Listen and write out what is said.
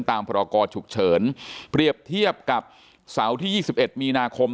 พรกรฉุกเฉินเปรียบเทียบกับเสาร์ที่๒๑มีนาคม